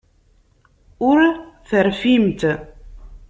Ur terfimt.